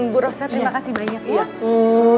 bu rosa terima kasih banyak ya